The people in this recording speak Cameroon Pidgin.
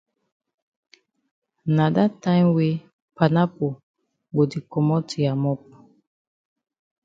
Na dat time wey panapo go di komot ya mop.